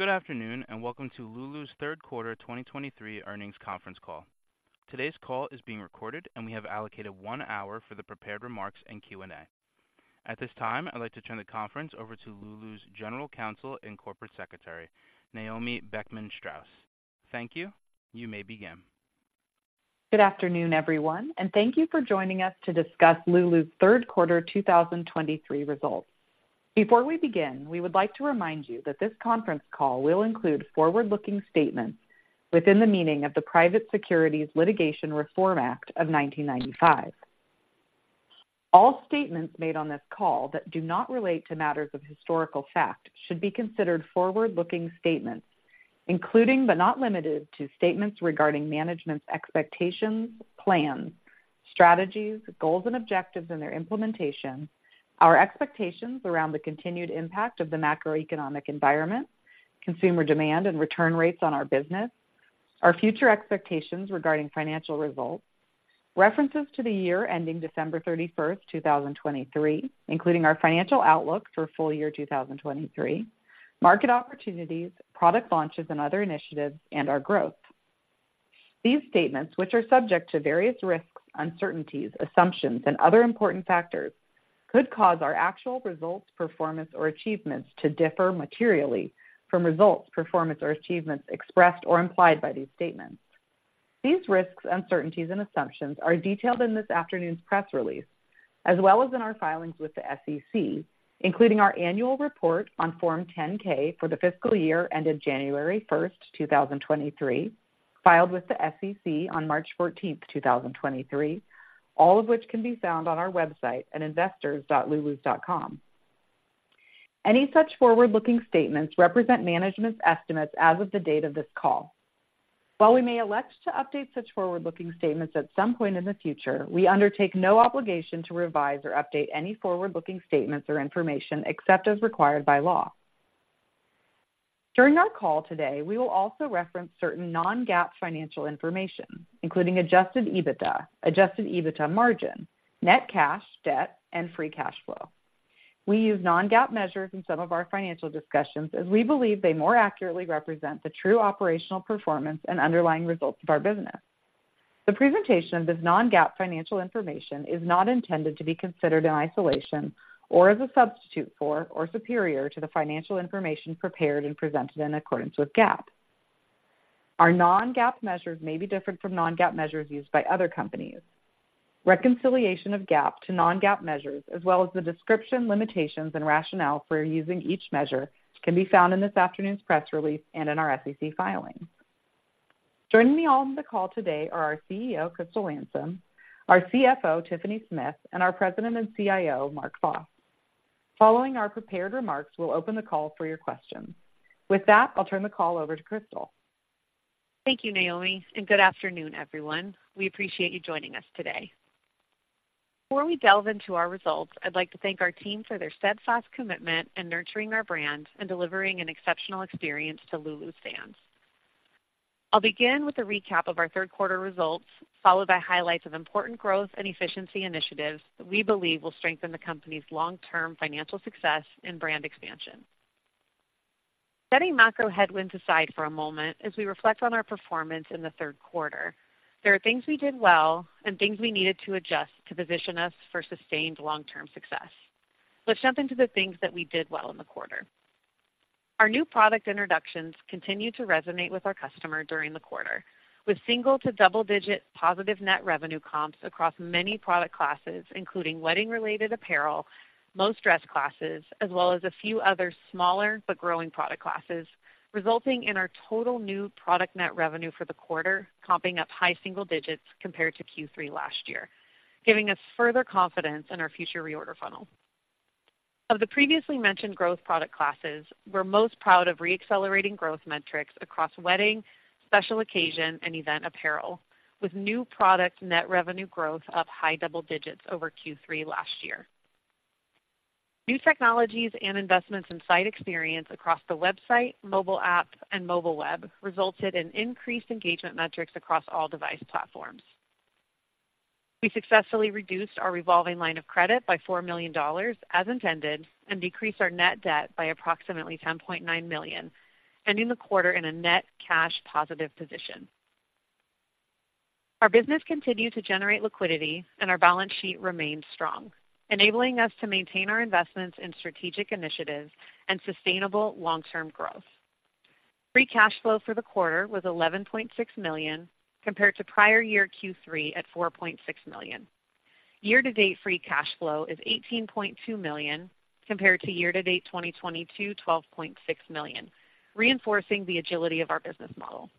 Good afternoon, and welcome to Lulu's Q3 2023 earnings conference call. Today's call is being recorded, and we have allocated one hour for the prepared remarks and Q&A. At this time, I'd like to turn the conference over to Lulu's General Counsel and Corporate Secretary, Naomi Beckman-Straus. Thank you. You may begin. Good afternoon, everyone, and thank you for joining us to discuss Lulu's Q3 2023 results. Before we begin, we would like to remind you that this conference call will include forward-looking statements within the meaning of the Private Securities Litigation Reform Act of 1995. All statements made on this call that do not relate to matters of historical fact should be considered forward-looking statements, including, but not limited to, statements regarding management's expectations, plans, strategies, goals and objectives and their implementation, our expectations around the continued impact of the macroeconomic environment, consumer demand, and return rates on our business, our future expectations regarding financial results, references to the year ending December 31st, 2023, including our financial outlook for full year 2023, market opportunities, product launches and other initiatives, and our growth. These statements, which are subject to various risks, uncertainties, assumptions, and other important factors, could cause our actual results, performance, or achievements to differ materially from results, performance, or achievements expressed or implied by these statements. These risks, uncertainties, and assumptions are detailed in this afternoon's press release, as well as in our filings with the SEC, including our annual report on Form 10-K for the fiscal year ended January 1st, 2023, filed with the SEC on March 14th, 2023, all of which can be found on our website at investors.lulus.com. Any such forward-looking statements represent management's estimates as of the date of this call. While we may elect to update such forward-looking statements at some point in the future, we undertake no obligation to revise or update any forward-looking statements or information except as required by law. During our call today, we will also reference certain non-GAAP financial information, including adjusted EBITDA, adjusted EBITDA margin, net cash, debt, and free cash flow. We use non-GAAP measures in some of our financial discussions as we believe they more accurately represent the true operational performance and underlying results of our business. The presentation of this non-GAAP financial information is not intended to be considered in isolation or as a substitute for or superior to the financial information prepared and presented in accordance with GAAP. Our non-GAAP measures may be different from non-GAAP measures used by other companies. Reconciliation of GAAP to non-GAAP measures, as well as the description, limitations, and rationale for using each measure, can be found in this afternoon's press release and in our SEC filings. Joining me on the call today are our CEO, Crystal Landsem, our CFO, Tiffany Smith, and our President and CIO, Mark Vos. Following our prepared remarks, we'll open the call for your questions. With that, I'll turn the call over to Crystal. Thank you, Naomi, and good afternoon, everyone. We appreciate you joining us today. Before we delve into our results, I'd like to thank our team for their steadfast commitment in nurturing our brand and delivering an exceptional experience to Lulu's fans. I'll begin with a recap of our Q3 results, followed by highlights of important growth and efficiency initiatives that we believe will strengthen the company's long-term financial success and brand expansion. Setting macro headwinds aside for a moment as we reflect on our performance in the Q3, there are things we did well and things we needed to adjust to position us for sustained long-term success. Let's jump into the things that we did well in the quarter. Our new product introductions continued to resonate with our customer during the quarter, with single- to double-digit positive net revenue comps across many product classes, including wedding-related apparel, most dress classes, as well as a few other smaller but growing product classes, resulting in our total new product net revenue for the quarter, comping up high single digits compared to Q3 last year, giving us further confidence in our future reorder funnel. Of the previously mentioned growth product classes, we're most proud of re-accelerating growth metrics across wedding, special occasion, and event apparel, with new product net revenue growth up high double digits over Q3 last year. New technologies and investments in site experience across the website, mobile app, and mobile web resulted in increased engagement metrics across all device platforms. We successfully reduced our revolving line of credit by $4 million, as intended, and decreased our net debt by approximately $10.9 million, ending the quarter in a net cash positive position. Our business continued to generate liquidity, and our balance sheet remained strong, enabling us to maintain our investments in strategic initiatives and sustainable long-term growth. Free cash flow for the quarter was $11.6 million, compared to prior year Q3 at $4.6 million. Year-to-date free cash flow is $18.2 million, compared to year-to-date 2022, $12.6 million, reinforcing the agility of our business model.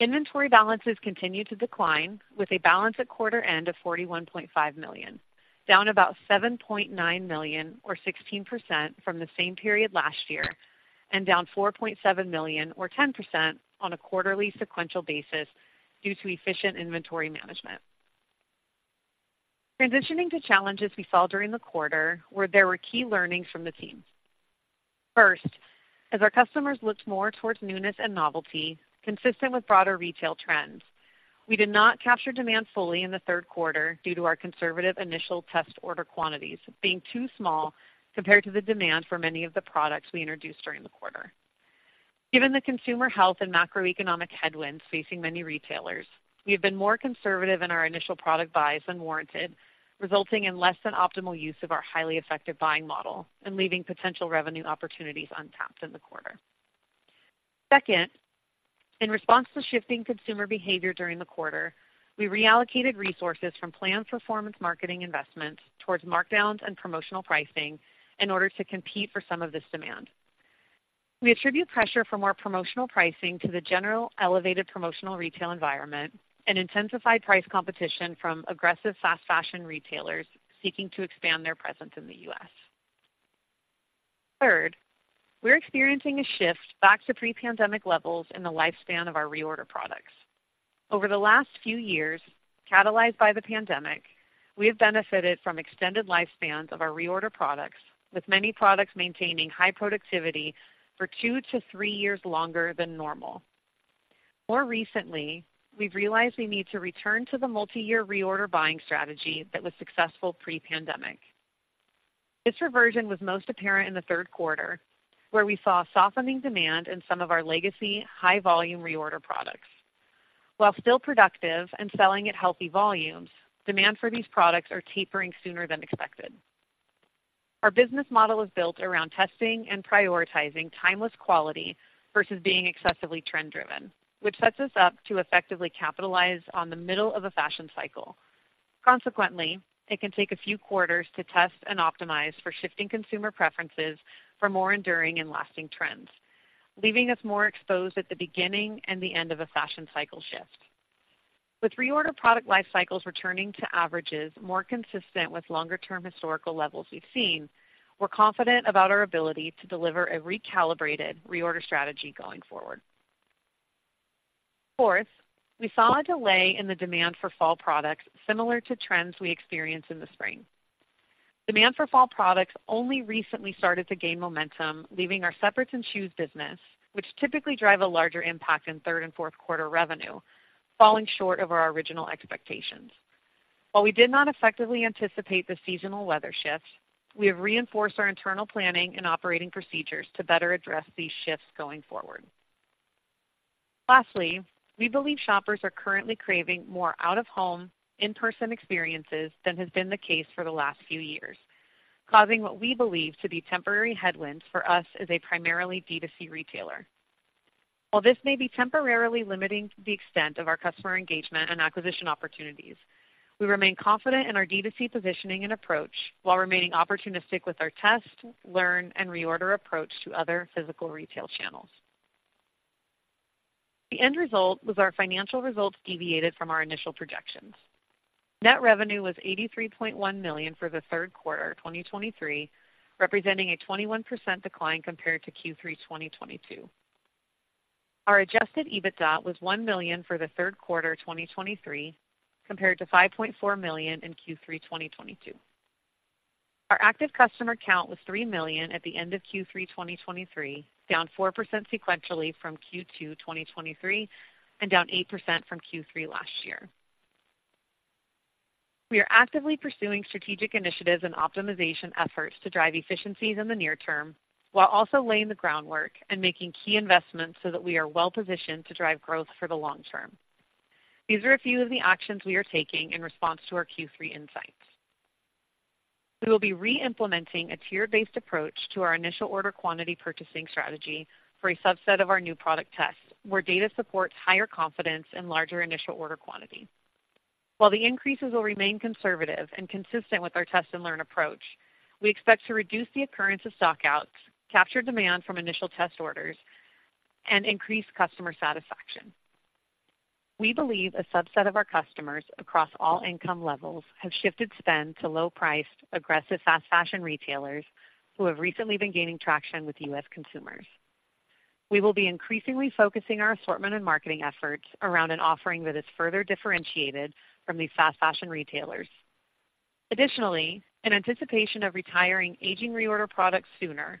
Inventory balances continued to decline, with a balance at quarter end of $41.5 million, down about $7.9 million, or 16%, from the same period last year, and down $4.7 million, or 10%, on a quarterly sequential basis due to efficient inventory management. Transitioning to challenges we saw during the quarter, where there were key learnings from the team. First, as our customers looked more towards newness and novelty, consistent with broader retail trends. We did not capture demand fully in the Q3 due to our conservative initial test order quantities being too small compared to the demand for many of the products we introduced during the quarter. Given the consumer health and macroeconomic headwinds facing many retailers, we have been more conservative in our initial product buys than warranted, resulting in less than optimal use of our highly effective buying model and leaving potential revenue opportunities untapped in the quarter. Second, in response to shifting consumer behavior during the quarter, we reallocated resources from planned performance marketing investments towards markdowns and promotional pricing in order to compete for some of this demand. We attribute pressure from our promotional pricing to the general elevated promotional retail environment and intensified price competition from aggressive fast fashion retailers seeking to expand their presence in the U.S. Third, we're experiencing a shift back to pre-pandemic levels in the lifespan of our reorder products. Over the last few years, catalyzed by the pandemic, we have benefited from extended lifespans of our reorder products, with many products maintaining high productivity for two to three years longer than normal. More recently, we've realized we need to return to the multi-year reorder buying strategy that was successful pre-pandemic. This reversion was most apparent in the Q3, where we saw a softening demand in some of our legacy high-volume reorder products. While still productive and selling at healthy volumes, demand for these products are tapering sooner than expected. Our business model is built around testing and prioritizing timeless quality versus being excessively trend driven, which sets us up to effectively capitalize on the middle of a fashion cycle. Consequently, it can take a few quarters to test and optimize for shifting consumer preferences for more enduring and lasting trends, leaving us more exposed at the beginning and the end of a fashion cycle shift. With reorder product life cycles returning to averages more consistent with longer term historical levels we've seen, we're confident about our ability to deliver a recalibrated reorder strategy going forward. Fourth, we saw a delay in the demand for fall products similar to trends we experienced in the spring. Demand for fall products only recently started to gain momentum, leaving our separates and shoes business, which typically drive a larger impact in third and Q4 revenue, falling short of our original expectations. While we did not effectively anticipate the seasonal weather shifts, we have reinforced our internal planning and operating procedures to better address these shifts going forward. Lastly, we believe shoppers are currently craving more out-of-home, in-person experiences than has been the case for the last few years, causing what we believe to be temporary headwinds for us as a primarily D2C retailer. While this may be temporarily limiting the extent of our customer engagement and acquisition opportunities, we remain confident in our D2C positioning and approach, while remaining opportunistic with our test, learn, and reorder approach to other physical retail channels. The end result was our financial results deviated from our initial projections. Net revenue was $83.1 million for the Q3 of 2023, representing a 21% decline compared to Q3 2022. Our Adjusted EBITDA was $1 million for the Q3 of 2023, compared to $5.4 million in Q3 2022. Our active customer count was 3 million at the end of Q3 2023, down 4% sequentially from Q2 2023, and down 8% from Q3 last year. We are actively pursuing strategic initiatives and optimization efforts to drive efficiencies in the near term, while also laying the groundwork and making key investments so that we are well positioned to drive growth for the long term. These are a few of the actions we are taking in response to our Q3 insights. We will be re-implementing a tier-based approach to our initial order quantity purchasing strategy for a subset of our new product tests, where data supports higher confidence and larger initial order quantity. While the increases will remain conservative and consistent with our test and learn approach, we expect to reduce the occurrence of stockouts, capture demand from initial test orders, and increase customer satisfaction. We believe a subset of our customers across all income levels have shifted spend to low-priced, aggressive, fast fashion retailers who have recently been gaining traction with U.S. consumers. We will be increasingly focusing our assortment and marketing efforts around an offering that is further differentiated from these fast fashion retailers. Additionally, in anticipation of retiring aging reorder products sooner, we will be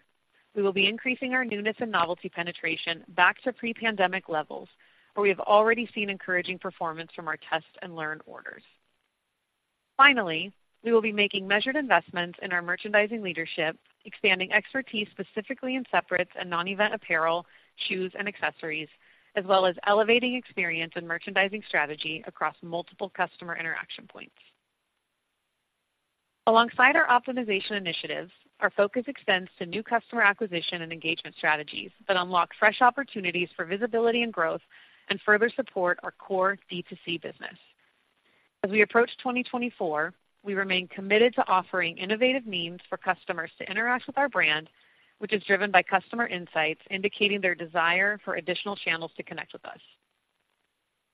increasing our newness and novelty penetration back to pre-pandemic levels, where we have already seen encouraging performance from our test and learn orders. Finally, we will be making measured investments in our merchandising leadership, expanding expertise specifically in separates and non-event apparel, shoes and accessories, as well as elevating experience and merchandising strategy across multiple customer interaction points. Alongside our optimization initiatives, our focus extends to new customer acquisition and engagement strategies that unlock fresh opportunities for visibility and growth and further support our core D2C business. As we approach 2024, we remain committed to offering innovative means for customers to interact with our brand, which is driven by customer insights, indicating their desire for additional channels to connect with us.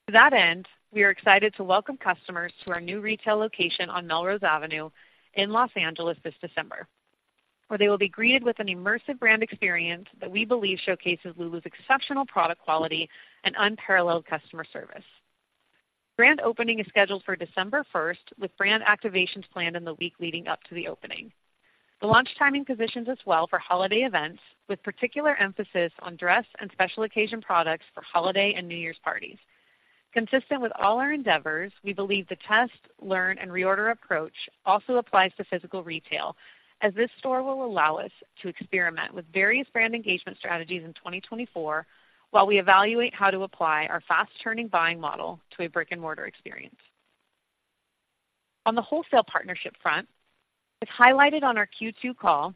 To that end, we are excited to welcome customers to our new retail location on Melrose Avenue in Los Angeles this December, where they will be greeted with an immersive brand experience that we believe showcases Lulu's exceptional product quality and unparalleled customer service. Grand opening is scheduled for December 1st, with brand activations planned in the week leading up to the opening. The launch timing positions us well for holiday events, with particular emphasis on dress and special occasion products for holiday and New Year's parties. Consistent with all our endeavors, we believe the test, learn, and reorder approach also applies to physical retail, as this store will allow us to experiment with various brand engagement strategies in 2024, while we evaluate how to apply our fast-turning buying model to a brick-and-mortar experience. On the wholesale partnership front, as highlighted on our Q2 call,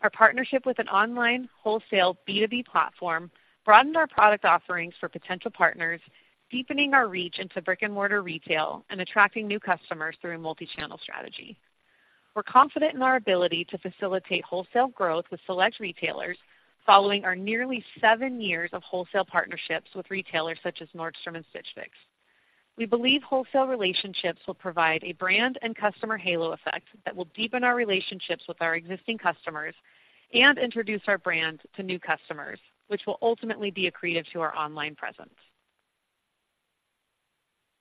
our partnership with an online wholesale B2B platform broadened our product offerings for potential partners, deepening our reach into brick-and-mortar retail and attracting new customers through a multi-channel strategy. We're confident in our ability to facilitate wholesale growth with select retailers following our nearly seven years of wholesale partnerships with retailers such as Nordstrom and Stitch Fix. We believe wholesale relationships will provide a brand and customer halo effect that will deepen our relationships with our existing customers and introduce our brand to new customers, which will ultimately be accretive to our online presence.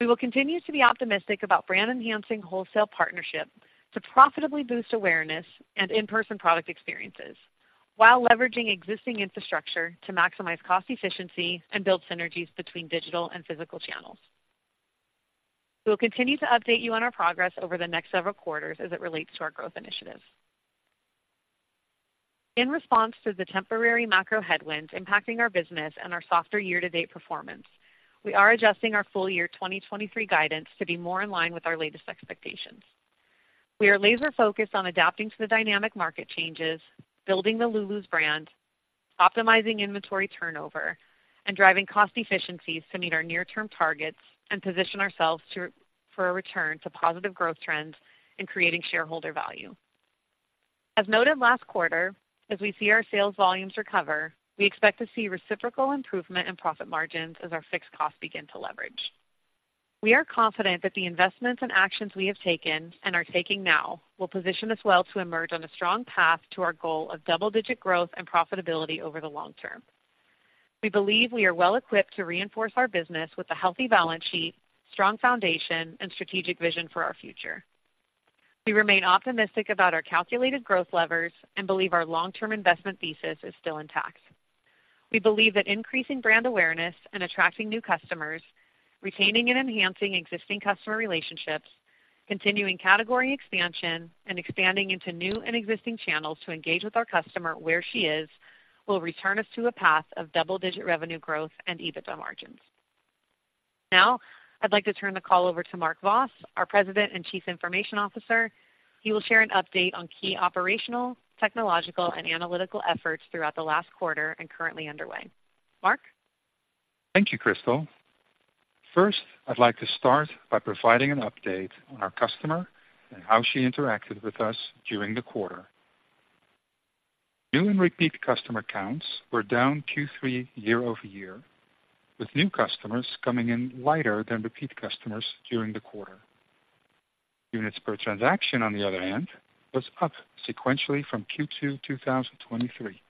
We will continue to be optimistic about brand-enhancing wholesale partnership to profitably boost awareness and in-person product experiences, while leveraging existing infrastructure to maximize cost efficiency and build synergies between digital and physical channels. We will continue to update you on our progress over the next several quarters as it relates to our growth initiatives. In response to the temporary macro headwinds impacting our business and our softer year-to-date performance, we are adjusting our full year 2023 guidance to be more in line with our latest expectations. We are laser focused on adapting to the dynamic market changes, building the Lulu's brand, optimizing inventory turnover, and driving cost efficiencies to meet our near-term targets and position ourselves to, for a return to positive growth trends in creating shareholder value. As noted last quarter, as we see our sales volumes recover, we expect to see reciprocal improvement in profit margins as our fixed costs begin to leverage. We are confident that the investments and actions we have taken, and are taking now, will position us well to emerge on a strong path to our goal of double-digit growth and profitability over the long term. We believe we are well equipped to reinforce our business with a healthy balance sheet, strong foundation, and strategic vision for our future. We remain optimistic about our calculated growth levers and believe our long-term investment thesis is still intact. We believe that increasing brand awareness and attracting new customers, retaining and enhancing existing customer relationships, continuing category expansion, and expanding into new and existing channels to engage with our customer where she is, will return us to a path of double-digit revenue growth and EBITDA margins. Now, I'd like to turn the call over to Mark Vos, our President and Chief Information Officer. He will share an update on key operational, technological, and analytical efforts throughout the last quarter and currently underway. Mark? Thank you, Crystal. First, I'd like to start by providing an update on our customer and how she interacted with us during the quarter. New and repeat customer counts were down Q3 year-over-year, with new customers coming in lighter than repeat customers during the quarter. Units per transaction, on the other hand, was up sequentially from Q2, 2023,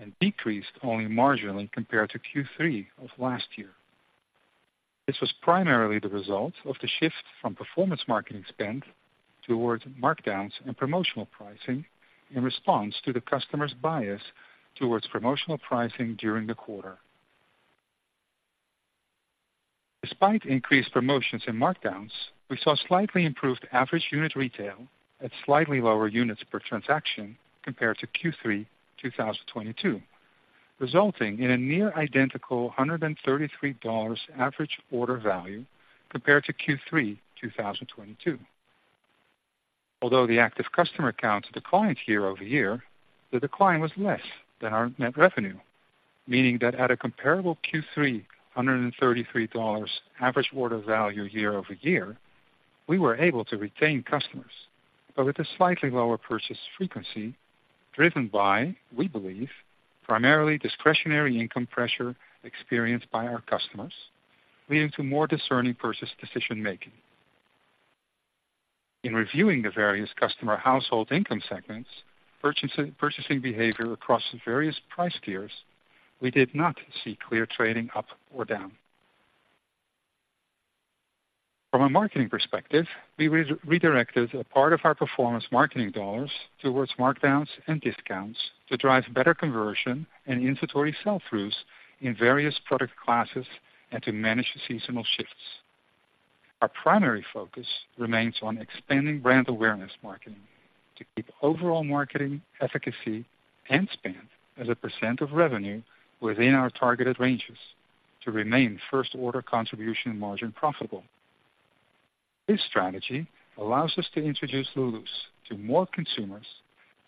and decreased only marginally compared to Q3 of last year. This was primarily the result of the shift from performance marketing spend towards markdowns and promotional pricing in response to the customer's bias towards promotional pricing during the quarter. Despite increased promotions and markdowns, we saw slightly improved average unit retail at slightly lower units per transaction compared to Q3, 2022, resulting in a near identical $133 average order value compared to Q3, 2022. Although the active customer counts declined year-over-year, the decline was less than our net revenue, meaning that at a comparable Q3, $133 average order value year-over-year, we were able to retain customers, but with a slightly lower purchase frequency, driven by, we believe, primarily discretionary income pressure experienced by our customers, leading to more discerning purchase decision making. In reviewing the various customer household income segments, purchasing behavior across various price tiers, we did not see clear trading up or down. From a marketing perspective, we redirected a part of our performance marketing dollars towards markdowns and discounts to drive better conversion and inventory sell-throughs in various product classes and to manage the seasonal shifts. Our primary focus remains on expanding brand awareness marketing to keep overall marketing efficacy and spend as a % of revenue within our targeted ranges to remain first order contribution and margin profitable. This strategy allows us to introduce Lulu's to more consumers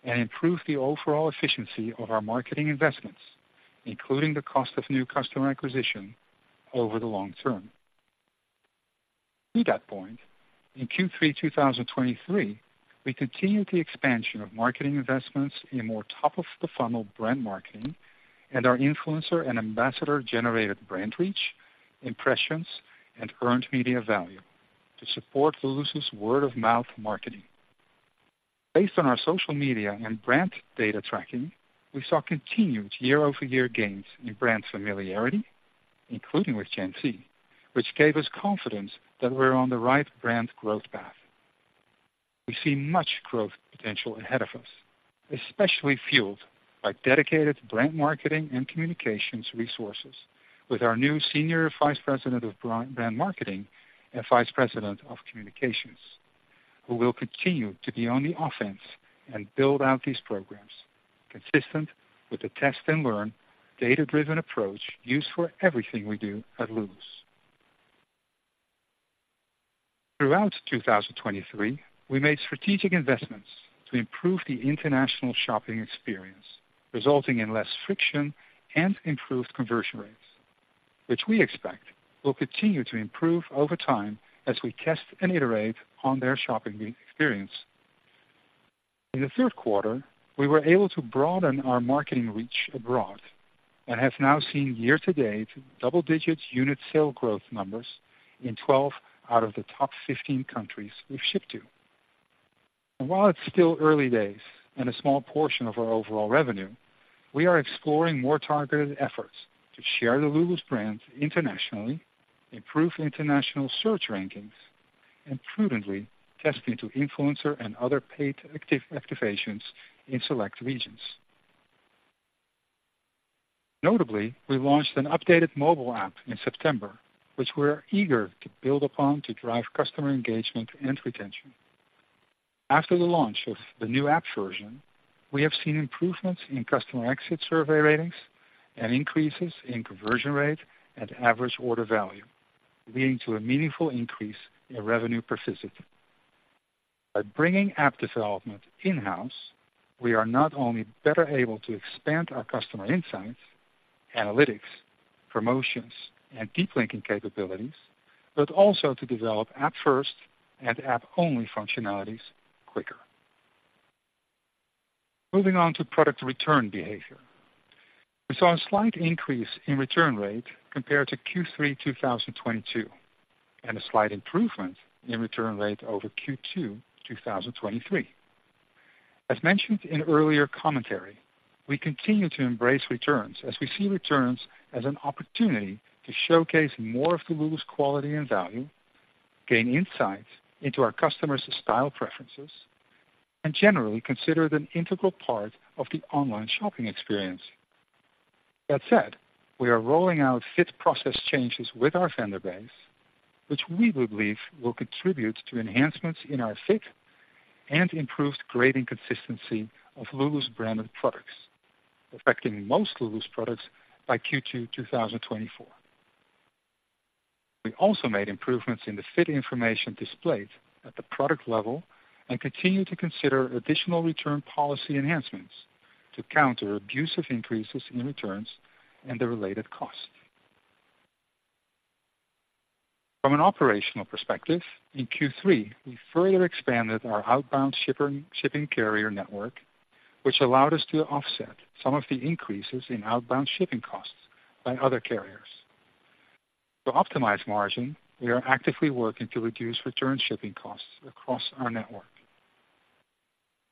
and improve the overall efficiency of our marketing investments, including the cost of new customer acquisition over the long term. To that point, in Q3 2023, we continued the expansion of marketing investments in more top of the funnel brand marketing and our influencer and ambassador-generated brand reach, impressions, and earned media value to support Lulu's word of mouth marketing. Based on our social media and brand data tracking, we saw continued year-over-year gains in brand familiarity, including with Gen Z, which gave us confidence that we're on the right brand growth path. We see much growth potential ahead of us, especially fueled by dedicated brand marketing and communications resources with our new Senior Vice President of Brand Marketing and Vice President of Communications, who will continue to be on the offense and build out these programs, consistent with the test and learn, data-driven approach used for everything we do at Lulus. Throughout 2023, we made strategic investments to improve the international shopping experience, resulting in less friction and improved conversion rates, which we expect will continue to improve over time as we test and iterate on their shopping experience. In the Q3, we were able to broaden our marketing reach abroad and have now seen year-to-date double-digit unit sale growth numbers in 12 out of the top 15 countries we've shipped to. While it's still early days and a small portion of our overall revenue, we are exploring more targeted efforts to share the Lulus brand internationally, improve international search rankings, and prudently testing to influencer and other paid activations in select regions. Notably, we launched an updated mobile app in September, which we are eager to build upon to drive customer engagement and retention. After the launch of the new app version, we have seen improvements in customer exit survey ratings and increases in conversion rate and average order value, leading to a meaningful increase in revenue per visit. By bringing app development in-house, we are not only better able to expand our customer insights, analytics, promotions, and deep linking capabilities, but also to develop app-first and app-only functionalities quicker. Moving on to product return behavior. We saw a slight increase in return rate compared to Q3, 2022, and a slight improvement in return rate over Q2, 2023. As mentioned in earlier commentary, we continue to embrace returns as we see returns as an opportunity to showcase more of the Lulus quality and value, gain insights into our customers' style preferences, and generally consider it an integral part of the online shopping experience. That said, we are rolling out fit process changes with our vendor base, which we believe will contribute to enhancements in our fit and improved grading consistency of Lulus branded products, affecting most Lulus products by Q2, 2024. We also made improvements in the fit information displayed at the product level and continue to consider additional return policy enhancements to counter abusive increases in returns and the related costs. From an operational perspective, in Q3, we further expanded our outbound shipping, shipping carrier network, which allowed us to offset some of the increases in outbound shipping costs by other carriers. To optimize margin, we are actively working to reduce return shipping costs across our network.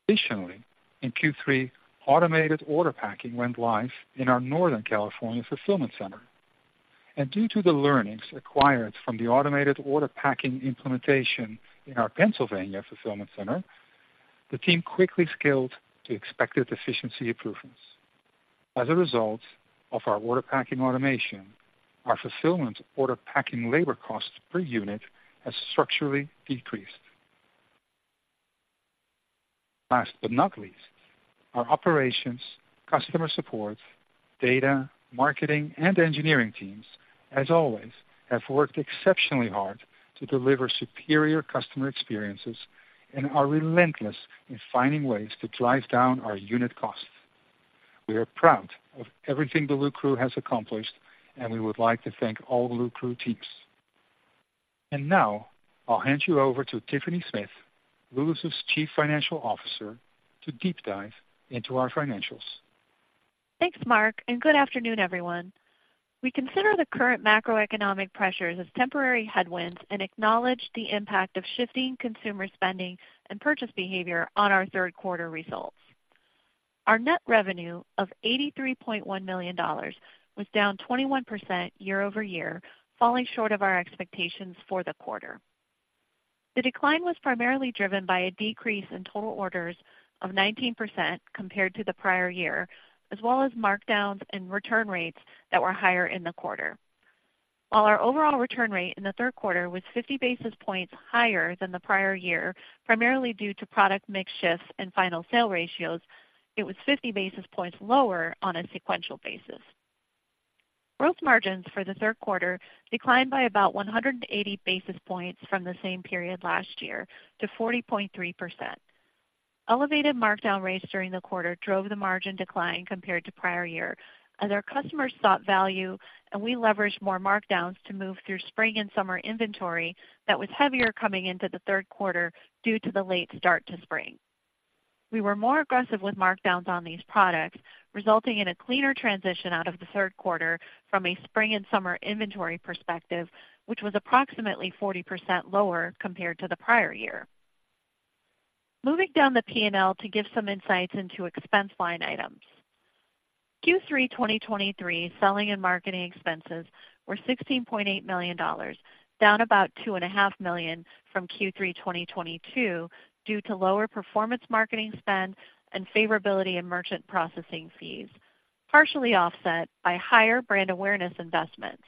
Additionally, in Q3, automated order packing went live in our Northern California fulfillment center, and due to the learnings acquired from the automated order packing implementation in our Pennsylvania fulfillment center, the team quickly scaled to expected efficiency improvements. As a result of our order packing automation, our fulfillment order packing labor costs per unit has structurally decreased. Last but not least, our operations, customer support, data, marketing, and engineering teams, as always, have worked exceptionally hard to deliver superior customer experiences and are relentless in finding ways to drive down our unit costs. We are proud of everything the Lulus crew has accomplished, and we would like to thank all Lulus crew teams. Now I'll hand you over to Tiffany Smith, Lulus' Chief Financial Officer, to deep dive into our financials. Thanks, Mark, and good afternoon, everyone. We consider the current macroeconomic pressures as temporary headwinds and acknowledge the impact of shifting consumer spending and purchase behavior on our Q3 results. Our net revenue of $83.1 million was down 21% year-over-year, falling short of our expectations for the quarter. The decline was primarily driven by a decrease in total orders of 19% compared to the prior year, as well as markdowns and return rates that were higher in the quarter. While our overall return rate in the Q3 was 50 basis points higher than the prior year, primarily due to product mix shifts and final sale ratios, it was 50 basis points lower on a sequential basis. Gross margins for the Q3 declined by about 100 basis points from the same period last year to 40.3%. Elevated markdown rates during the quarter drove the margin decline compared to prior year as our customers sought value, and we leveraged more markdowns to move through spring and summer inventory that was heavier coming into the Q3 due to the late start to spring. We were more aggressive with markdowns on these products, resulting in a cleaner transition out of the Q3 from a spring and summer inventory perspective, which was approximately 40% lower compared to the prior year. Moving down the P&L to give some insights into expense line items. Q3 2023 selling and marketing expenses were $16.8 million, down about $2.5 million from Q3 2022 due to lower performance marketing spend and favorability in merchant processing fees, partially offset by higher brand awareness investments.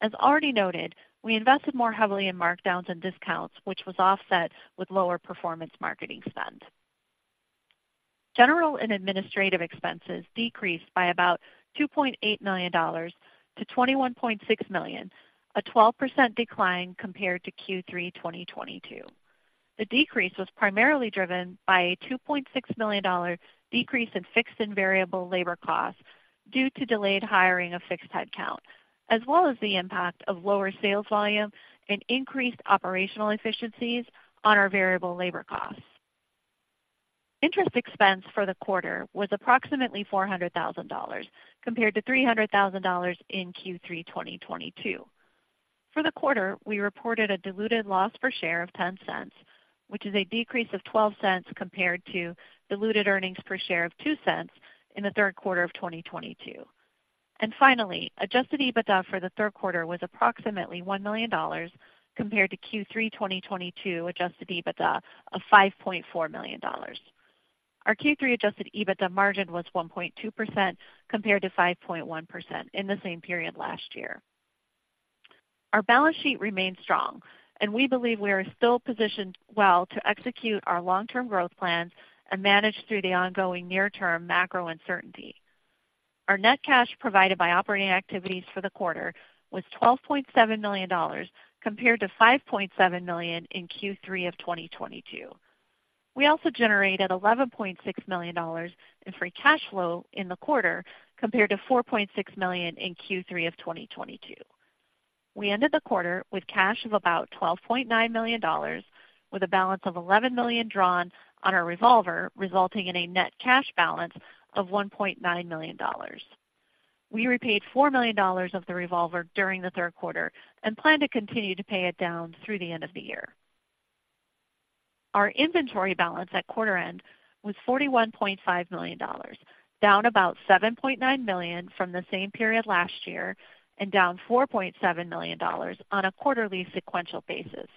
As already noted, we invested more heavily in markdowns and discounts, which was offset with lower performance marketing spend. General and administrative expenses decreased by about $2.8 million to 21.6 million, a 12% decline compared to Q3 2022. The decrease was primarily driven by a $2.6 million dollar decrease in fixed and variable labor costs due to delayed hiring of fixed headcount, as well as the impact of lower sales volume and increased operational efficiencies on our variable labor costs. Interest expense for the quarter was approximately $400,000, compared to $300,000 in Q3 2022. For the quarter, we reported a diluted loss per share of $0.10, which is a decrease of $0.12 compared to diluted earnings per share of $0.02 in the Q3 of 2022. Finally, adjusted EBITDA for the Q3 was approximately $1 million compared to Q3 2022 adjusted EBITDA of $5.4 million. Our Q3 adjusted EBITDA margin was 1.2%, compared to 5.1% in the same period last year. Our balance sheet remains strong, and we believe we are still positioned well to execute our long-term growth plans and manage through the ongoing near-term macro uncertainty. Our net cash provided by operating activities for the quarter was $12.7 million, compared to $5.7 million in Q3 of 2022. We also generated $11.6 million in free cash flow in the quarter, compared to $4.6 million in Q3 of 2022. We ended the quarter with cash of about $12.9 million, with a balance of $11 million drawn on our revolver, resulting in a net cash balance of $1.9 million. We repaid $4 million of the revolver during the Q3 and plan to continue to pay it down through the end of the year. Our inventory balance at quarter end was $41.5 million, down about $7.9 million from the same period last year and down $4.7 million on a quarterly sequential basis.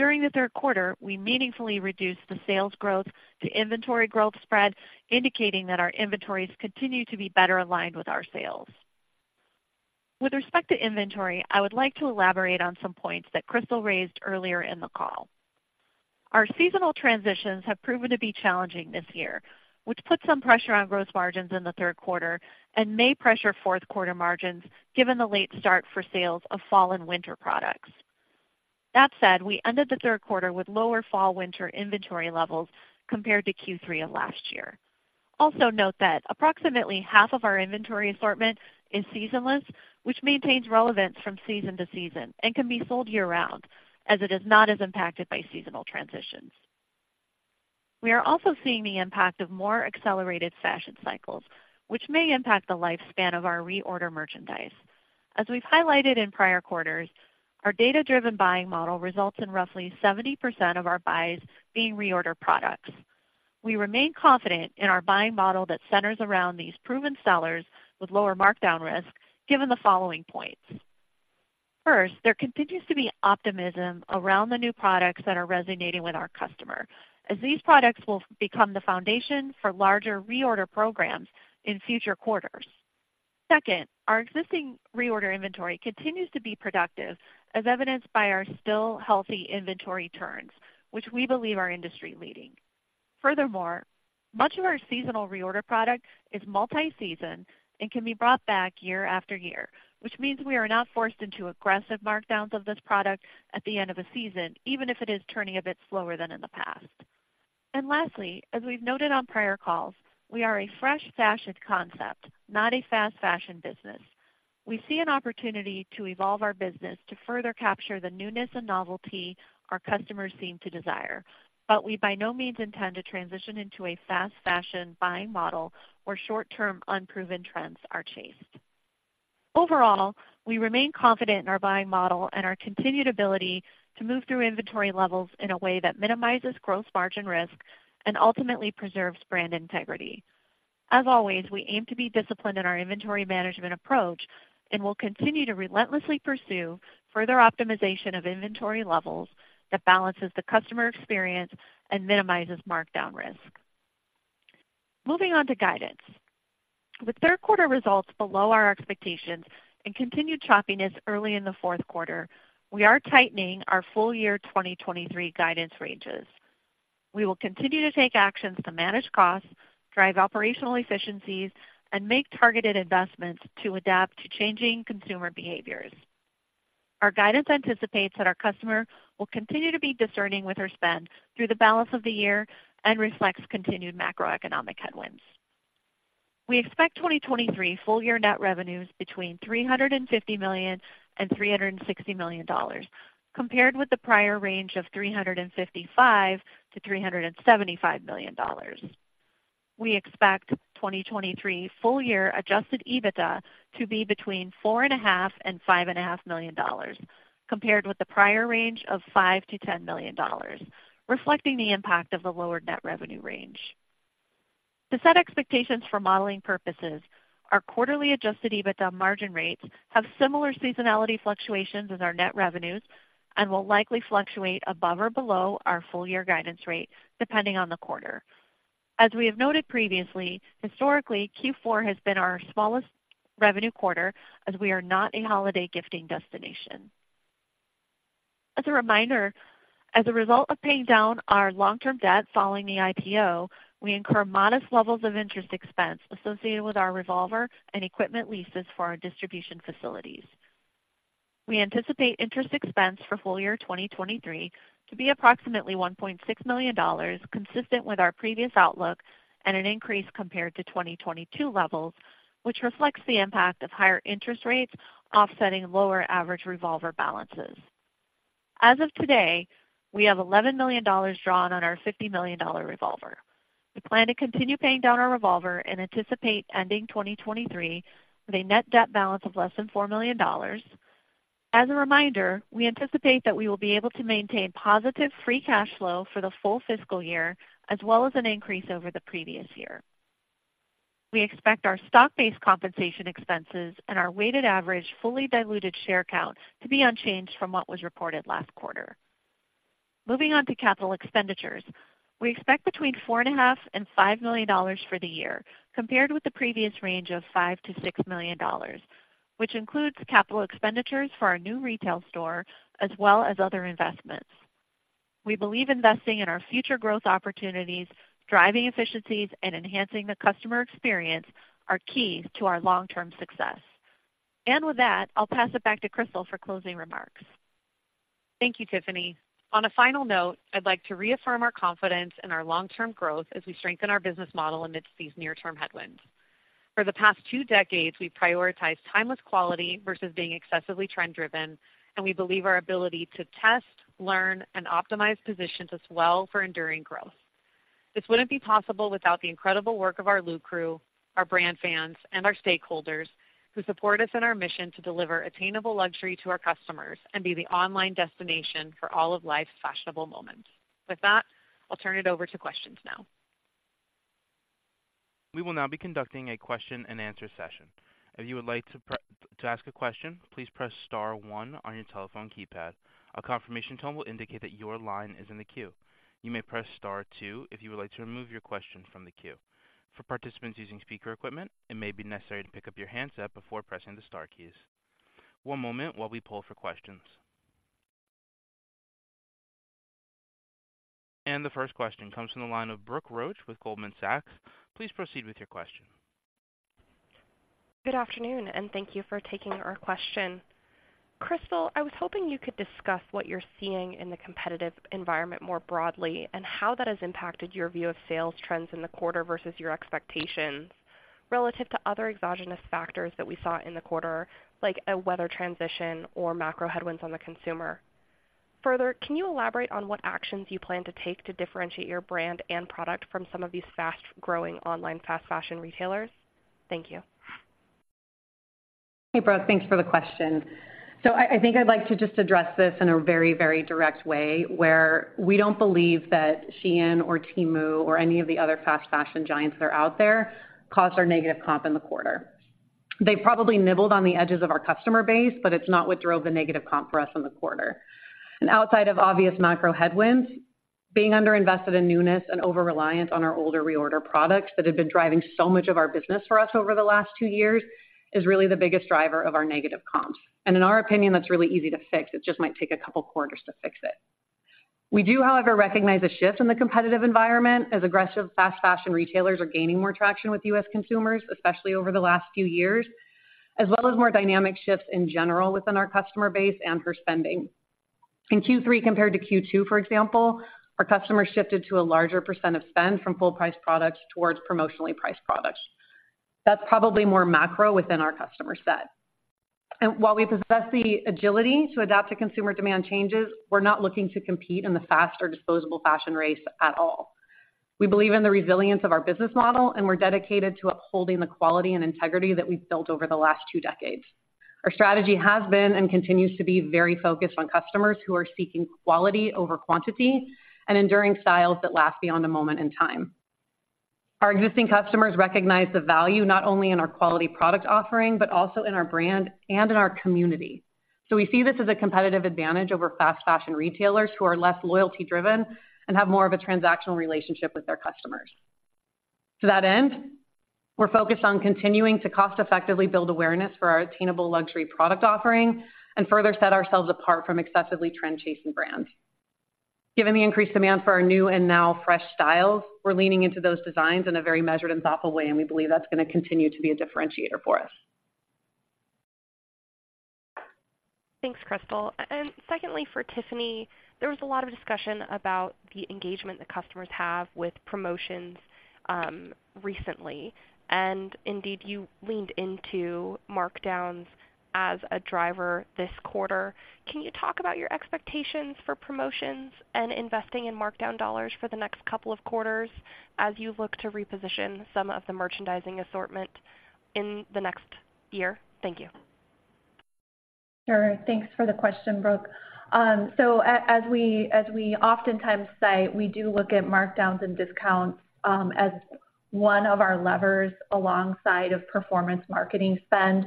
During the Q3, we meaningfully reduced the sales growth to inventory growth spread, indicating that our inventories continue to be better aligned with our sales. With respect to inventory, I would like to elaborate on some points that Crystal raised earlier in the call. Our seasonal transitions have proven to be challenging this year, which put some pressure on gross margins in the Q3 and may pressure Q4 margins, given the late start for sales of fall and winter products. That said, we ended the Q3 with lower fall/winter inventory levels compared to Q3 of last year. Also note that approximately half of our inventory assortment is seasonless, which maintains relevance from season to season and can be sold year-round, as it is not as impacted by seasonal transitions. We are also seeing the impact of more accelerated fashion cycles, which may impact the lifespan of our reorder merchandise. As we've highlighted in prior quarters, our data-driven buying model results in roughly 70% of our buys being reorder products. We remain confident in our buying model that centers around these proven sellers with lower markdown risk, given the following points. First, there continues to be optimism around the new products that are resonating with our customer, as these products will become the foundation for larger reorder programs in future quarters. Second, our existing reorder inventory continues to be productive, as evidenced by our still healthy inventory turns, which we believe are industry-leading. Furthermore, much of our seasonal reorder product is multi-season and can be brought back year after year, which means we are not forced into aggressive markdowns of this product at the end of a season, even if it is turning a bit slower than in the past. And lastly, as we've noted on prior calls, we are a fresh fashion concept, not a fast fashion business. We see an opportunity to evolve our business to further capture the newness and novelty our customers seem to desire, but we by no means intend to transition into a fast fashion buying model where short-term, unproven trends are chased. Overall, we remain confident in our buying model and our continued ability to move through inventory levels in a way that minimizes gross margin risk and ultimately preserves brand integrity. As always, we aim to be disciplined in our inventory management approach and will continue to relentlessly pursue further optimization of inventory levels that balances the customer experience and minimizes markdown risk. Moving on to guidance. With Q3 results below our expectations and continued choppiness early in the Q4, we are tightening our full year 2023 guidance ranges. We will continue to take actions to manage costs, drive operational efficiencies, and make targeted investments to adapt to changing consumer behaviors. Our guidance anticipates that our customer will continue to be discerning with her spend through the balance of the year and reflects continued macroeconomic headwinds. We expect 2023 full year net revenues between $350 million and $360 million, compared with the prior range of $355 million to 375 million. We expect 2023 full year Adjusted EBITDA to be between $4.5 million and $5.5 million, compared with the prior range of $5 million to 10 million, reflecting the impact of the lower net revenue range. To set expectations for modeling purposes, our quarterly Adjusted EBITDA margin rates have similar seasonality fluctuations as our net revenues and will likely fluctuate above or below our full year guidance rate, depending on the quarter. As we have noted previously, historically, Q4 has been our smallest revenue quarter as we are not a holiday gifting destination. As a reminder, as a result of paying down our long-term debt following the IPO, we incur modest levels of interest expense associated with our revolver and equipment leases for our distribution facilities. We anticipate interest expense for full year 2023 to be approximately $1.6 million, consistent with our previous outlook and an increase compared to 2022 levels, which reflects the impact of higher interest rates offsetting lower average revolver balances. As of today, we have $11 million drawn on our $50 million revolver. We plan to continue paying down our revolver and anticipate ending 2023 with a net debt balance of less than $4 million. As a reminder, we anticipate that we will be able to maintain positive free cash flow for the full fiscal year, as well as an increase over the previous year. We expect our stock-based compensation expenses and our weighted average fully diluted share count to be unchanged from what was reported last quarter. Moving on to capital expenditures. We expect between $4.5 million and $5 million for the year, compared with the previous range of $5 million to 6 million, which includes capital expenditures for our new retail store as well as other investments. We believe investing in our future growth opportunities, driving efficiencies, and enhancing the customer experience are key to our long-term success. With that, I'll pass it back to Crystal for closing remarks. Thank you, Tiffany. On a final note, I'd like to reaffirm our confidence in our long-term growth as we strengthen our business model amidst these near-term headwinds. For the past two decades, we've prioritized timeless quality versus being excessively trend-driven, and we believe our ability to test, learn, and optimize positions as well for enduring growth. This wouldn't be possible without the incredible work of our Lulu crew, our brand fans, and our stakeholders, who support us in our mission to deliver attainable luxury to our customers and be the online destination for all of life's fashionable moments. With that, I'll turn it over to questions now. We will now be conducting a Q&A session. If you would like to ask a question, please press star one on your telephone keypad. A confirmation tone will indicate that your line is in the queue. You may press star two if you would like to remove your question from the queue. For participants using speaker equipment, it may be necessary to pick up your handset before pressing the star keys. One moment while we pull for questions. The first question comes from the line of Brooke Roach with Goldman Sachs. Please proceed with your question. Good afternoon, and thank you for taking our question. Crystal, I was hoping you could discuss what you're seeing in the competitive environment more broadly, and how that has impacted your view of sales trends in the quarter versus your expectations relative to other exogenous factors that we saw in the quarter, like a weather transition or macro headwinds on the consumer. Further, can you elaborate on what actions you plan to take to differentiate your brand and product from some of these fast-growing online fast fashion retailers? Thank you. Hey, Brooke, thanks for the question. So I, I think I'd like to just address this in a very, very direct way, where we don't believe that SHEIN or Temu or any of the other fast fashion giants that are out there caused our negative comp in the quarter. They probably nibbled on the edges of our customer base, but it's not what drove the negative comp for us in the quarter. And outside of obvious macro headwinds, being underinvested in newness and over-reliance on our older reorder products that have been driving so much of our business for us over the last two years, is really the biggest driver of our negative comps. And in our opinion, that's really easy to fix. It just might take a couple quarters to fix it. We do, however, recognize a shift in the competitive environment as aggressive fast fashion retailers are gaining more traction with U.S. consumers, especially over the last few years, as well as more dynamic shifts in general within our customer base and her spending. In Q3, compared to Q2, for example, our customers shifted to a larger percent of spend from full price products towards promotionally priced products. That's probably more macro within our customer set. While we possess the agility to adapt to consumer demand changes, we're not looking to compete in the fast or disposable fashion race at all. We believe in the resilience of our business model, and we're dedicated to upholding the quality and integrity that we've built over the last two decades. Our strategy has been and continues to be very focused on customers who are seeking quality over quantity and enduring styles that last beyond a moment in time. Our existing customers recognize the value not only in our quality product offering, but also in our brand and in our community. We see this as a competitive advantage over fast fashion retailers who are less loyalty driven and have more of a transactional relationship with their customers. To that end, we're focused on continuing to cost effectively build awareness for our attainable luxury product offering and further set ourselves apart from excessively trend chasing brands. Given the increased demand for our new and now fresh styles, we're leaning into those designs in a very measured and thoughtful way, and we believe that's gonna continue to be a differentiator for us. Thanks, Crystal. Secondly, for Tiffany, there was a lot of discussion about the engagement that customers have with promotions, recently, and indeed, you leaned into markdowns as a driver this quarter. Can you talk about your expectations for promotions and investing in markdown dollars for the next couple of quarters as you look to reposition some of the merchandising assortment in the next year? Thank you. Sure. Thanks for the question, Brooke. So as we oftentimes cite, we do look at markdowns and discounts as one of our levers alongside of performance marketing spend,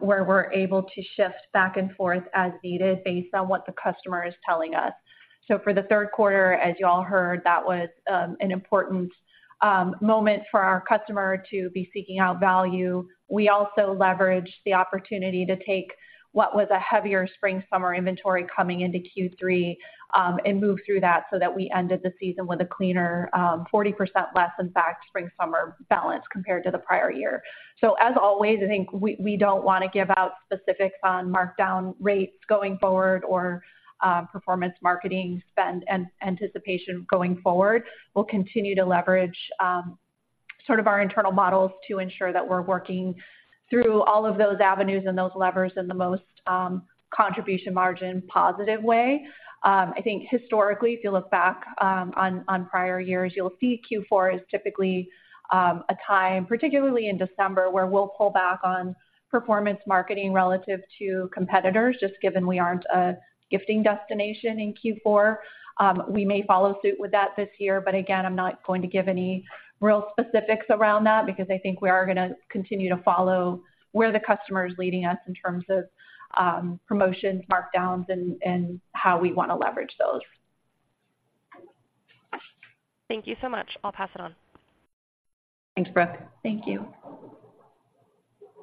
where we're able to shift back and forth as needed based on what the customer is telling us. So for the Q3, as you all heard, that was an important moment for our customer to be seeking out value. We also leveraged the opportunity to take what was a heavier spring/summer inventory coming into Q3, and move through that so that we ended the season with a cleaner, 40% less, in fact, spring/summer balance compared to the prior year. So as always, I think we don't wanna give out specifics on markdown rates going forward or performance marketing spend and anticipation going forward. We'll continue to leverage, sort of our internal models to ensure that we're working through all of those avenues and those levers in the most contribution margin positive way. I think historically, if you look back on prior years, you'll see Q4 is typically a time, particularly in December, where we'll pull back on performance marketing relative to competitors, just given we aren't a gifting destination in Q4. We may follow suit with that this year, but again, I'm not going to give any real specifics around that because I think we are gonna continue to follow where the customer is leading us in terms of promotions, markdowns, and how we wanna leverage those. Thank you so much. I'll pass it on. Thanks, Brooke. Thank you.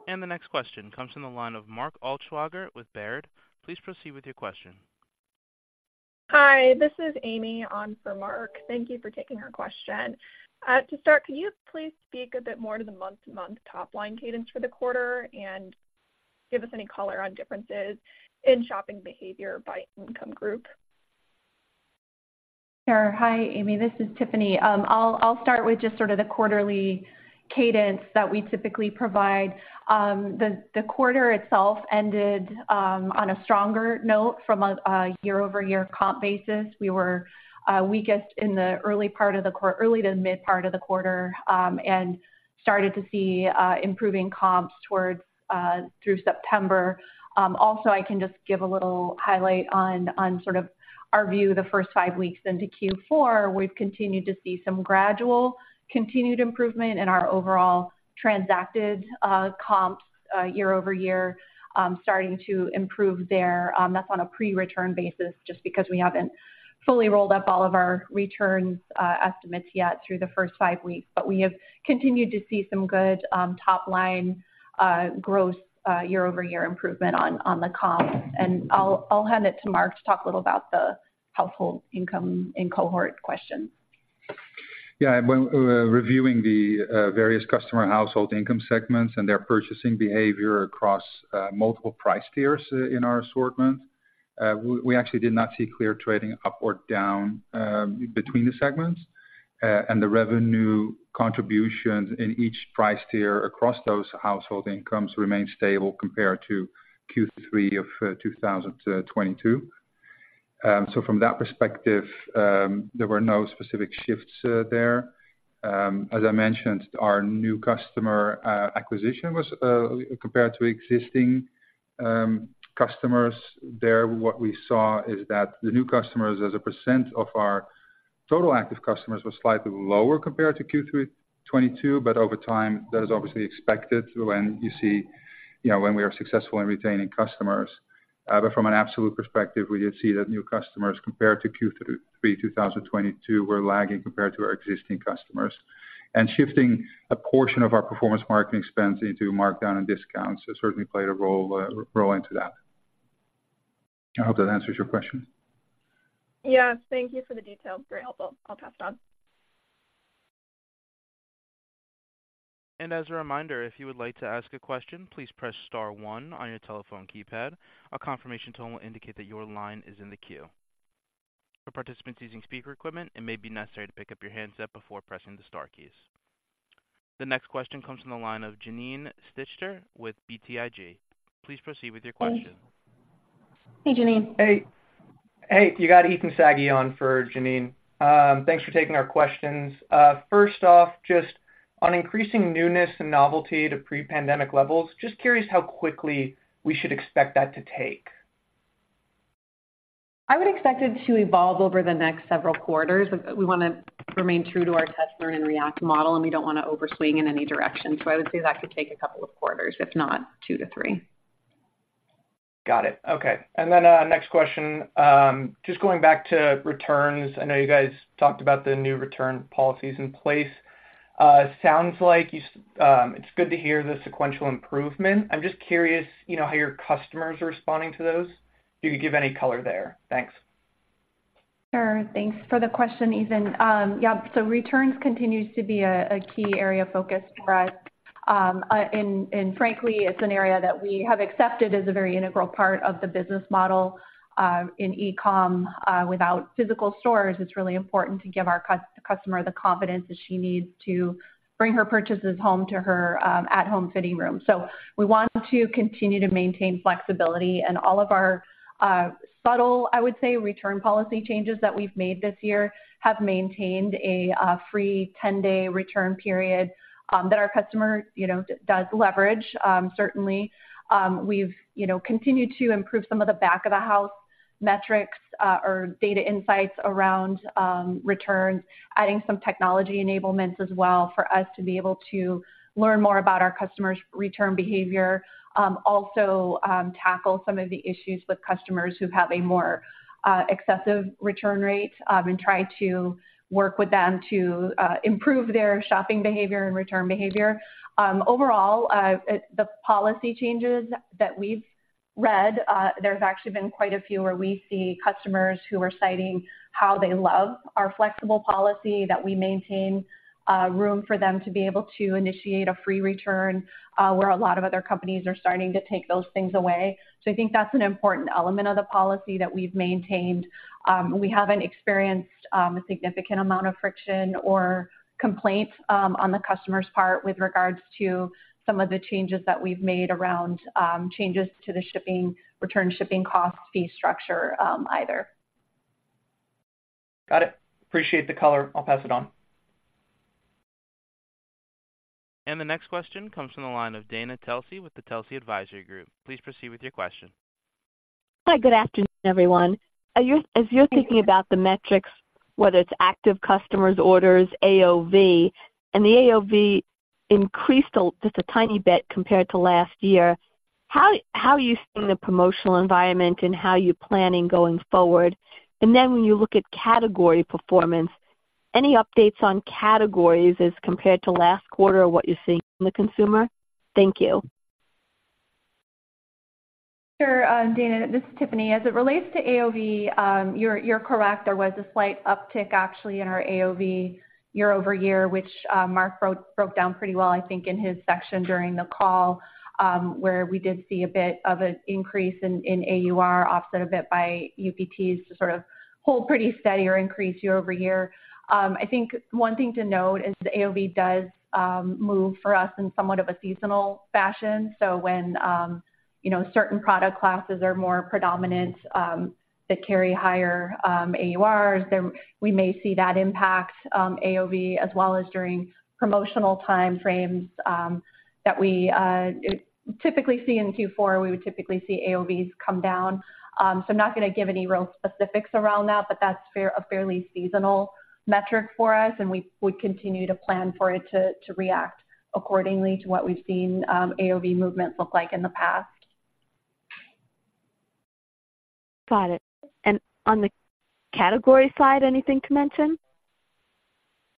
The next question comes from the line of Mark Altschwager with Baird. Please proceed with your question. Hi, this is Amy on for Mark. Thank you for taking our question. To start, could you please speak a bit more to the month-to-month top line cadence for the quarter and give us any color on differences in shopping behavior by income group? Sure. Hi, Amy, this is Tiffany. I'll start with just sort of the quarterly cadence that we typically provide. The quarter itself ended on a stronger note from a year-over-year comp basis. We were weakest in the early to mid part of the quarter, and started to see improving comps towards through September. Also, I can just give a little highlight on sort of our view the first five weeks into Q4. We've continued to see some gradual continued improvement in our overall transacted comps year-over-year, starting to improve there. That's on a pre-return basis, just because we haven't fully rolled up all of our returns estimates yet through the first five weeks. We have continued to see some good top line growth year-over-year improvement on the comp. I'll hand it to Mark to talk a little about the household income and cohort question. Yeah, when we're reviewing the various customer household income segments and their purchasing behavior across multiple price tiers in our assortment, we actually did not see clear trading up or down between the segments. And the revenue contributions in each price tier across those household incomes remained stable compared to Q3 of 2022. So from that perspective, there were no specific shifts there. As I mentioned, our new customer acquisition was compared to existing customers. There, what we saw is that the new customers, as a % of our total active customers, were slightly lower compared to Q3 2022, but over time, that is obviously expected when you see, you know, when we are successful in retaining customers. But from an absolute perspective, we did see that new customers compared to Q3, 2022 were lagging compared to our existing customers. And shifting a portion of our performance marketing spends into markdown and discounts has certainly played a role into that. I hope that answers your question. Yes. Thank you for the details. Very helpful. I'll pass it on. As a reminder, if you would like to ask a question, please press star one on your telephone keypad. A confirmation tone will indicate that your line is in the queue. For participants using speaker equipment, it may be necessary to pick up your handset before pressing the star keys. The next question comes from the line of Janine Stichter with BTIG. Please proceed with your question. Hey, Janine. Hey. Hey, you got Ethan Saghi on for Janine. Thanks for taking our questions. First off, just on increasing newness and novelty to pre-pandemic levels, just curious how quickly we should expect that to take? I would expect it to evolve over the next several quarters. We wanna remain true to our test, learn, and react model, and we don't wanna overswing in any direction, so I would say that could take a couple of quarters, if not two to three. Got it. Okay. And then, next question. Just going back to returns. I know you guys talked about the new return policies in place. It sounds like you, it's good to hear the sequential improvement. I'm just curious, you know, how your customers are responding to those. If you could give any color there. Thanks. Sure. Thanks for the question, Ethan. Yeah, so returns continues to be a key area of focus for us. And frankly, it's an area that we have accepted as a very integral part of the business model in e-com. Without physical stores, it's really important to give our customer the confidence that she needs to bring her purchases home to her at-home fitting room. So we want to continue to maintain flexibility, and all of our subtle, I would say, return policy changes that we've made this year have maintained a free ten-day return period that our customer, you know, does leverage. Certainly, we've you know continued to improve some of the back-of-the-house metrics or data insights around returns, adding some technology enablements as well for us to be able to learn more about our customers' return behavior. Also, tackle some of the issues with customers who have a more excessive return rate and try to work with them to improve their shopping behavior and return behavior. Overall, the policy changes that we've read, there's actually been quite a few where we see customers who are citing how they love our flexible policy, that we maintain room for them to be able to initiate a free return, where a lot of other companies are starting to take those things away. So I think that's an important element of the policy that we've maintained. We haven't experienced a significant amount of friction or complaints on the customer's part with regards to some of the changes that we've made around changes to the shipping, return shipping cost, fee structure, either. Got it. Appreciate the color. I'll pass it on. The next question comes from the line of Dana Telsey with the Telsey Advisory Group. Please proceed with your question. Hi, good afternoon, everyone. As you're thinking about the metrics, whether it's active customers, orders, AOV, and the AOV increased just a tiny bit compared to last year, how are you seeing the promotional environment and how you're planning going forward? And then when you look at category performance, any updates on categories as compared to last quarter, what you're seeing from the consumer? Thank you. Sure, Dana, this is Tiffany. As it relates to AOV, you're correct. There was a slight uptick, actually, in our AOV year-over-year, which Mark broke down pretty well, I think, in his section during the call, where we did see a bit of an increase in AUR, offset a bit by UPTs to sort of hold pretty steady or increase year-over-year. I think one thing to note is the AOV does move for us in somewhat of a seasonal fashion. So when you know, certain product classes are more predominant that carry higher AURs, then we may see that impact AOV, as well as during promotional time frames that we typically see in Q4, we would typically see AOVs come down. So, I'm not going to give any real specifics around that, but that's fair, a fairly seasonal metric for us, and we would continue to plan for it to react accordingly to what we've seen, AOV movements look like in the past. Got it. On the category side, anything to mention?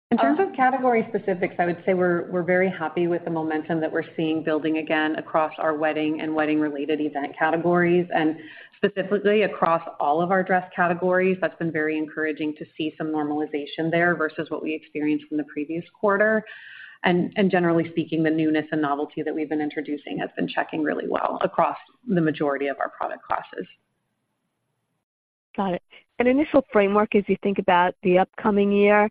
In terms of category specifics, I would say we're very happy with the momentum that we're seeing building again across our wedding and wedding-related event categories, and specifically across all of our dress categories. That's been very encouraging to see some normalization there versus what we experienced in the previous quarter. And generally speaking, the newness and novelty that we've been introducing has been clicking really well across the majority of our product classes. Got it. An initial framework as you think about the upcoming year,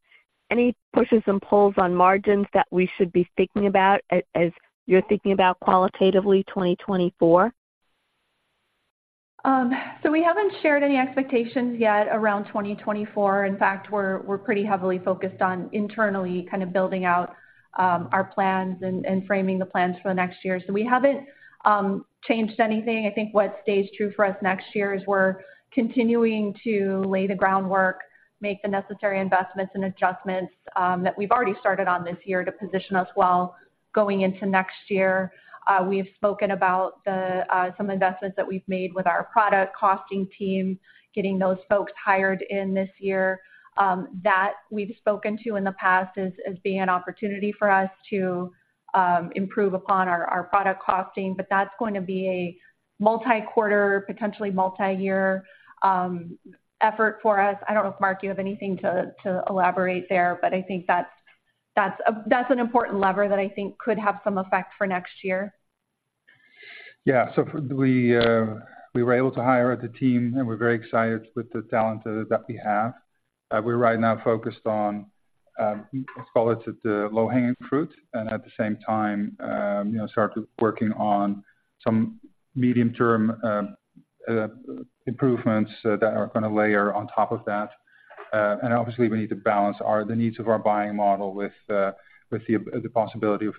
any pushes and pulls on margins that we should be thinking about as you're thinking about qualitatively 2024? We haven't shared any expectations yet around 2024. In fact, we're pretty heavily focused on internally kind of building out our plans and framing the plans for the next year. We haven't changed anything. I think what stays true for us next year is we're continuing to lay the groundwork, make the necessary investments and adjustments that we've already started on this year to position us well going into next year. We've spoken about some investments that we've made with our product costing team, getting those folks hired in this year. That we've spoken to in the past as being an opportunity for us to improve upon our product costing, but that's going to be a multi-quarter, potentially multi-year effort for us. I don't know if, Mark, you have anything to elaborate there, but I think that's an important lever that I think could have some effect for next year. Yeah, so we were able to hire the team, and we're very excited with the talent that we have. We're right now focused on, let's call it the low-hanging fruit, and at the same time, you know, start working on some medium-term improvements that are going to layer on top of that. And obviously, we need to balance our the needs of our buying model with the possibility of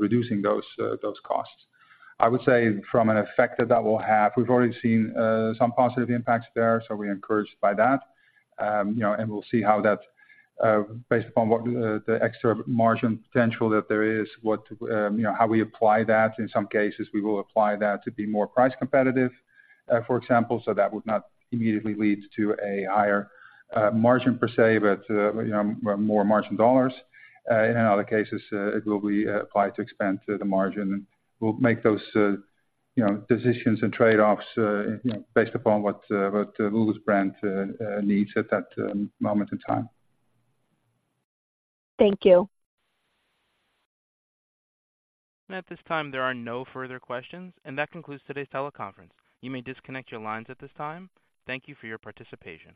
reducing those costs. I would say from an effect that will have, we've already seen some positive impacts there, so we're encouraged by that. You know, and we'll see how that, based upon what the extra margin potential that there is, what you know, how we apply that. In some cases, we will apply that to be more price competitive, for example, so that would not immediately lead to a higher margin per se, but, you know, more margin dollars. In other cases, it will be applied to expand the margin, and we'll make those, you know, decisions and trade-offs, based upon what Lulus brand needs at that moment in time. Thank you. At this time, there are no further questions, and that concludes today's teleconference. You may disconnect your lines at this time. Thank you for your participation.